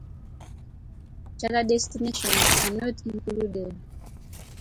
Charter destinations are not included.